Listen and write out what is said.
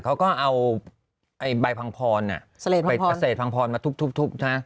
เขาก็เอาใบพังพรเกษตรพังพรมาทุบนะ